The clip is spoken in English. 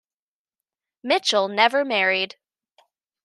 Mitchell never married.